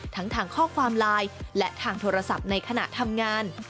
ทั้งทางข้อความไลน์และทางโทรศัพท์ในขณะทำงาน